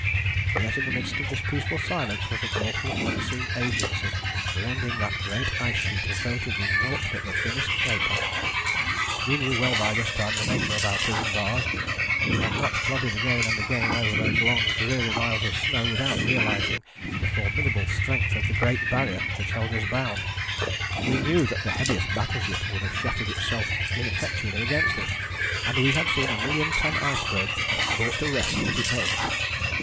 "Yet in the midst of this peaceful silence was an awful unseen agency rending that great ice sheet as though it had been naught but the thinnest paper. We knew well by this time the nature of our prison bars; we had not plodded again and again over those long dreary miles of snow without realizing the formidable strength of the great barrier which held us bound; we knew that the heaviest battle ship would have shattered itself ineffectually against it, and we had seen a million ton iceberg brought to rest at its edge.